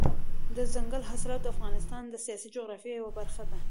دځنګل حاصلات د افغانستان د سیاسي جغرافیې یوه برخه ده.